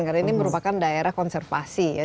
karena ini merupakan daerah konservasi ya